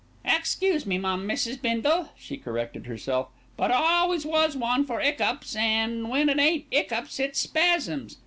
"Excuse me, mum Mrs. Bindle," she corrected herself; "but I always was a one for 'iccups, an' when it ain't 'iccups it's spasms.